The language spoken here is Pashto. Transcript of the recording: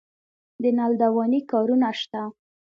د نل دوانۍ کارونه شته